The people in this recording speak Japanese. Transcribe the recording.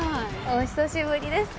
お久しぶりです